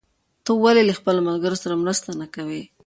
ته ولې له خپلو ملګرو سره مرسته نه کوې؟